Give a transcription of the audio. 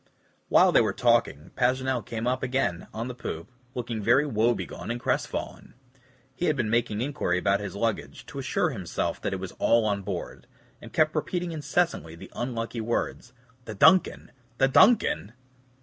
While they were talking, Paganel came up again on the poop, looking very woebegone and crestfallen. He had been making inquiry about his luggage, to assure himself that it was all on board, and kept repeating incessantly the unlucky words, "The DUNCAN! the DUNCAN!"